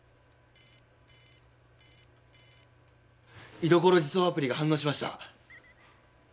居所自送アプリが反応しました！